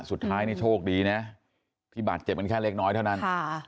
สุดท้ายนี่โชคดีนะที่บาดเจ็บกันแค่เล็กน้อยเท่านั้น